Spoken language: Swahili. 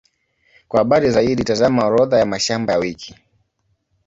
Kwa habari zaidi, tazama Orodha ya mashamba ya wiki.